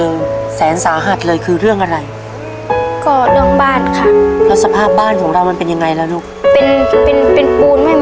แล้วกลัวปลุงแบบแล้วก็เป็นอนาคตของน้อง